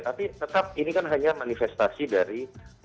tapi tetap ini kan hanya manifestasi dari